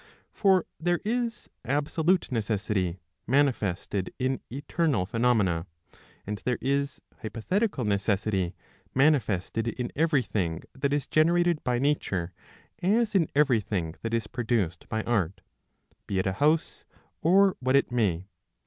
For there is absolute necessity, manifested in eternal phenomena ; and there is hypothetical necessity, manifested in everything that is generated by nature as in everything that is produced by art, be it a house or what it may.